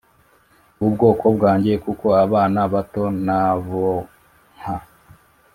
w ubwoko bwanjye Kuko abana bato n abonka